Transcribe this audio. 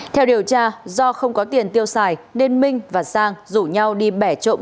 theo điều tra do không có tiền tiêu xài nên minh và sang rủ nhau đi bẻ trộm